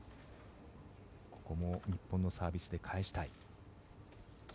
ここも日本のサービスで返したい。